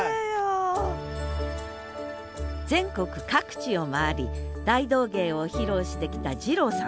全国各地を回り大道芸を披露してきたジローさん。